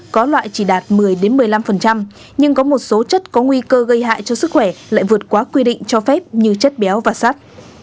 có loại chỉ đạt một mươi một mươi năm nhưng có một số chất có nguy cơ gây hại cho sức khỏe lại vượt quá quy định cho phép như chất béo và sát